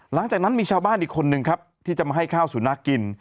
หลังจากนั้นมีชาวบ้านอีกคนนึงครับที่จะมาให้ข้าวสุนัขกิน